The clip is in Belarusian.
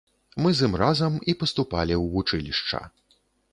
Мы з ім разам і паступалі ў вучылішча.